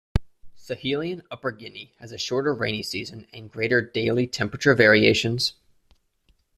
Sahelian Upper Guinea has a shorter rainy season and greater daily temperature variations.